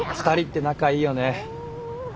２人って仲いいよね。